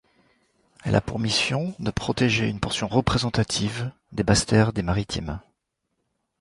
Elle a pour mission de protéger une portion représentative des basses-terres des Maritimes.